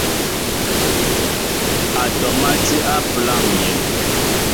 Atɔm á ti á pəláŋ myēn.